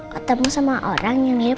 ketemu sama orang yang lihat